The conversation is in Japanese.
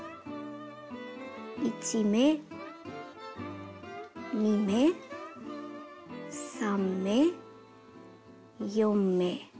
１目２目３目４目。